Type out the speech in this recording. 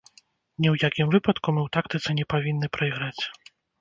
Ні ў якім выпадку мы ў тактыцы не павінны прайграць.